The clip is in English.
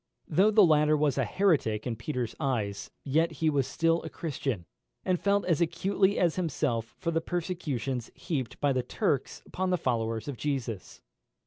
Though the latter was a heretic in Peter's eyes, yet he was still a Christian, and felt as acutely as himself for the persecutions heaped by the Turks upon the followers of Jesus.